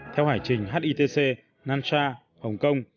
theo hải trình hitc nansha hong kong